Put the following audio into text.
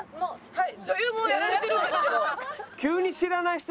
はい！